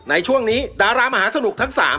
ในช่วงนี้ดรมศนุกทั้งสาม